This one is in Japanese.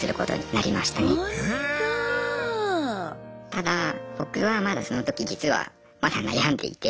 ただ僕はまだその時実はまだ悩んでいて。